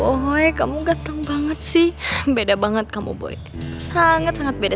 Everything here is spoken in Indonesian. aduh boy kamu ganteng banget sih beda banget kamu boy sangat sangat beda